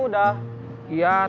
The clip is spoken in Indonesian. kamu udah ngeliat